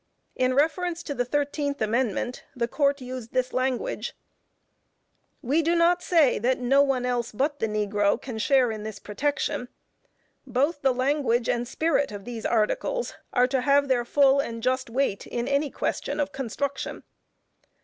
In reference to the Thirteenth Amendment, the Court used this language: "We do not say that no one else but the negro can share in this protection. Both the language and spirit of these articles are to have their full and just weight in any question of construction.